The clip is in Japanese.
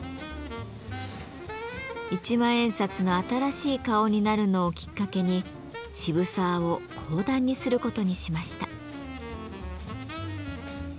一万円札の新しい顔になるのをきっかけに渋沢を講談にすることにしました。